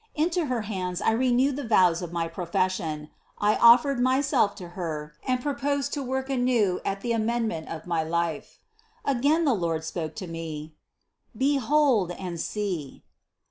Into Her hands I renewed the vows of my profession; I of fered myself to Her and proposed to work anew at the amendment of my life. Again the Lord spoke to me : "Behold and see!"